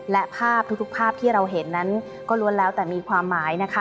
และภาพทุกภาพที่เราเห็นนั้นก็ล้วนแล้วแต่มีความหมายนะคะ